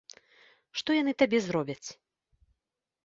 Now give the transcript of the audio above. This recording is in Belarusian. Што яны табе зробяць?